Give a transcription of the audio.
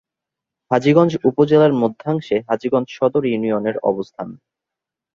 হাজীগঞ্জ উপজেলার মধ্যাংশে হাজীগঞ্জ সদর ইউনিয়নের অবস্থান।